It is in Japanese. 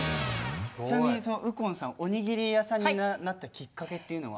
ちなみに右近さんおにぎり屋さんになったきっかけっていうのは？